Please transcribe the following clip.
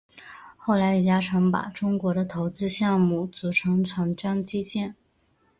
后来李嘉诚把中国的投资项目组成长江基建。